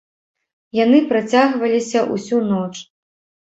Яны працягваліся ўсю ноч.